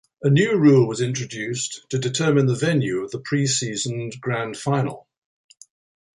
A new rule was introduced to determine the venue of the pre-season Grand Final.